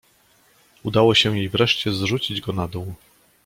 "Udało się jej wreszcie zrzucić go na dół."